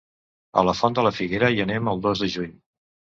A la Font de la Figuera hi anem el dos de juny.